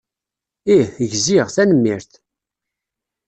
Ih, gziɣ, tanemmirt.